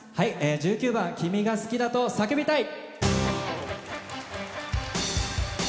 １９番「君が好きだと叫びたい」。